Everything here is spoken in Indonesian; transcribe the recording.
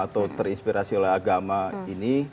atau terinspirasi oleh agama ini